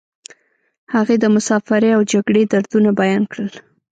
هغې د مسافرۍ او جګړې دردونه بیان کړل